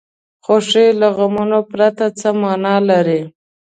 خوښي له غمونو پرته څه معنا لري.